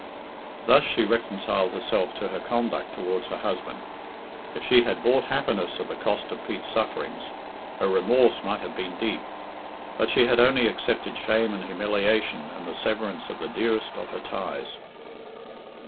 Thus she reconciled herself to her conduct towards her husband. If she had bought happiness at the cost of Pete's sufferings, her remorse might have been deep; but she had only accepted shame and humiliation and the severance of the dearest of her ties.